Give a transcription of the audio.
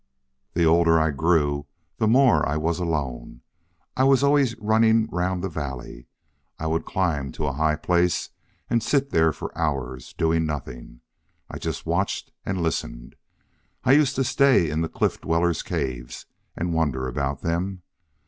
"The older I grew the more I was alone. I was always running round the valley. I would climb to a high place and sit there for hours, doing nothing. I just watched and listened. I used to stay in the cliff dwellers' caves and wonder about them.